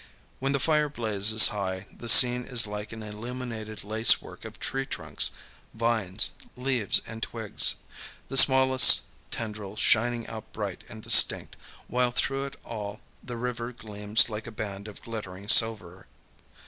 When the fire blazes high the scene is like an illuminated lacework of tree trunks, vines, leaves, and twigs, the smallest tendril shining out bright and distinct; while through it all the river gleams like a band of glittering silver.